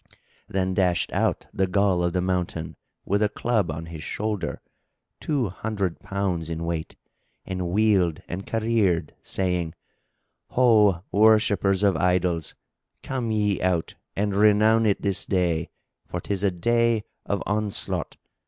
Then dashed out the Ghul of the Mountain, with a club on his shoulder, two hundred pounds in weight, and wheeled and careered, saying, "Ho, worshippers of idols, come ye out and renown it this day, for 'tis a day of onslaught!